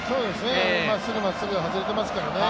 まっすぐ、まっすぐ外れてますからね。